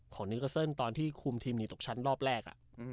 นิกาเซิลตอนที่คุมทีมหนีตกชั้นรอบแรก